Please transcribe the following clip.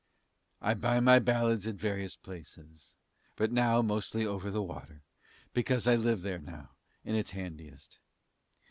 I buy my ballads at various places but now mostly over the water, because I live there now and it's handiest.